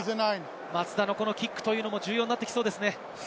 松田のキックも重要になってきそうですね。